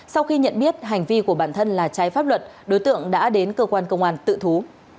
sau khi nhận biết hành vi của bản thân là trái pháp luật đối tượng đã đến cơ quan công an tự thú